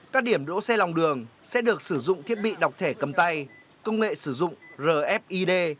các điểm đỗ xe lòng đường sẽ được sử dụng thiết bị đọc thẻ cầm tay công nghệ sử dụng rfid